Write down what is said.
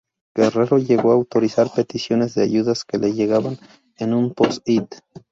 Guerrero llegó a autorizar peticiones de ayudas que le llegaban en un post-it.